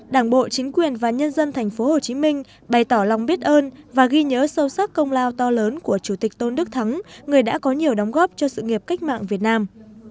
đảng bộ chính quyền và nhân dân tp hcm bày tỏ lòng biết ơn và ghi nhớ sâu sắc công lao to lớn của chủ tịch tôn đức thắng người đã có nhiều đóng góp cho sự nghiệp cách mạng việt nam